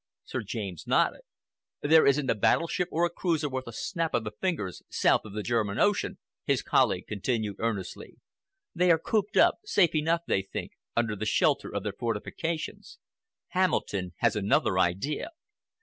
Sir James nodded. "There isn't a battleship or a cruiser worth a snap of the fingers south of the German Ocean," his colleague continued earnestly. "They are cooped up—safe enough, they think—under the shelter of their fortifications. Hamilton has another idea.